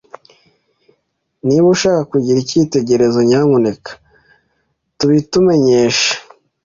Niba ushaka kugira icyitegererezo, nyamuneka tubitumenyeshe.